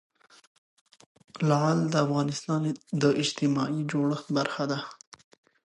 لعل د افغانستان د اجتماعي جوړښت برخه ده.